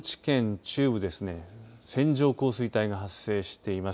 高知県中部ですね、線状降水帯が発生しています。